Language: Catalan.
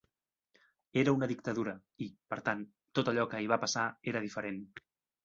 Era una dictadura i, per tant, tot allò que hi va passar era diferent.